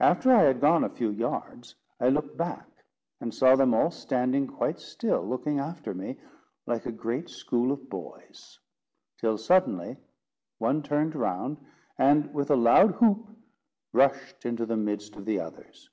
After I had gone a few yards, I looked back, and saw them all standing quite still, looking after me, like a great school of boys; till suddenly one turned round, and with a loud whoop, rushed into the midst of the others.